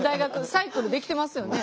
サイクルできてますよね。